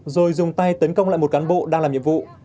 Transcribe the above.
rồi dùng tay tấn công lại một cán bộ đang làm nhiệm vụ